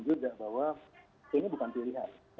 ya sekali lagi mungkin perlu ditegurkan